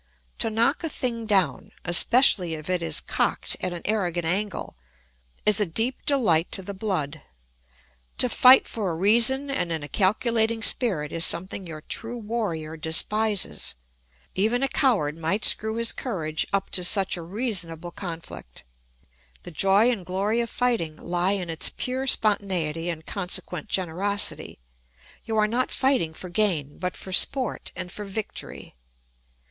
To knock a thing down, especially if it is cocked at an arrogant angle, is a deep delight to the blood. To fight for a reason and in a calculating spirit is something your true warrior despises; even a coward might screw his courage up to such a reasonable conflict. The joy and glory of fighting lie in its pure spontaneity and consequent generosity; you are not fighting for gain, but for sport and for victory.